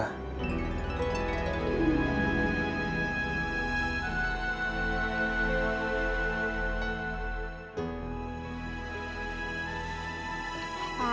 itu udah cukup buat gue